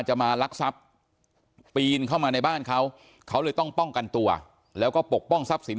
จะมาลักทรัพย์ปีนเข้ามาในบ้านเขาเขาเลยต้องป้องกันตัวแล้วก็ปกป้องทรัพย์สิน